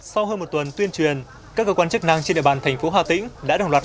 sau hơn một tuần tuyên truyền các cơ quan chức năng trên địa bàn tp hcm đã đồng loạt ra